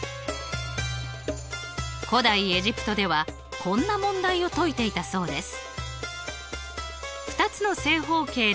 古代エジプトではこんな問題を解いていたそうです。